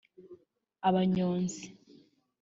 Abanyonzi